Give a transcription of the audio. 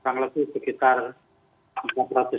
nah disitu ditemukan uang saya